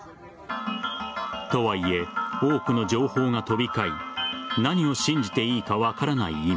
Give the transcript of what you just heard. とはいえ、多くの情報が飛び交い何を信じていいか分からない